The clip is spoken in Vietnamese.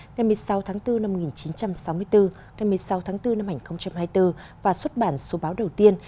ngày một mươi sáu tháng bốn năm một nghìn chín trăm sáu mươi bốn ngày một mươi sáu tháng bốn năm hai nghìn hai mươi bốn và xuất bản số báo đầu tiên